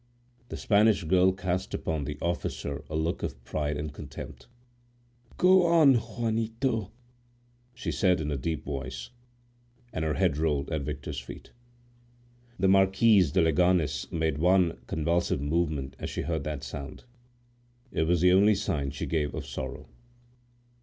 The Spanish girl cast upon the officer a look of pride and contempt. "Go on, Juanito!" she said, in a deep voice, and her head rolled at Victor's feet. The Marquise de Leganes made one convulsive movement as she heard that sound; it was the only sign she gave of sorrow.